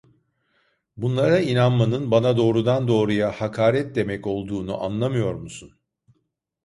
Bunlara inanmanın bana doğrudan doğruya hakaret demek olduğunu anlamıyor musun?